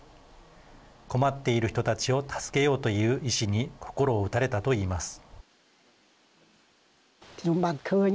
困っている人たちを助けようという遺志に心を打たれたと言います。